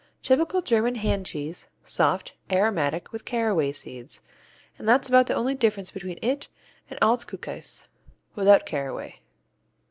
Typical German hand cheese, soft; aromatic with caraway seeds, and that's about the only difference between it and Alt Kuhkäse, without caraway.